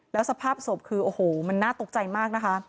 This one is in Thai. แล้วสภาพศพคือโอ้โหมันน่าตกใจมากนะคะ